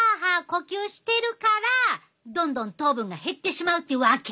呼吸してるからどんどん糖分が減ってしまうってわけ。